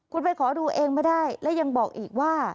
คุณไปขอดูเองไม่ได้และยังบอกอีกว่า